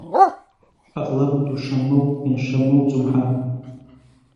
ئەغڵەب دووشەممە و پێنج شەممە و جومعە